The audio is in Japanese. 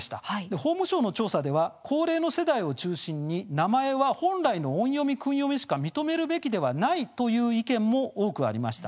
法務省の調査では高齢の世代を中心に名前は本来の音読みや訓読みしか認めるべきではないという意見も多くありました。